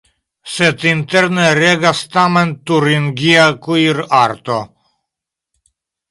Sed interne regas tamen turingia kuirarto.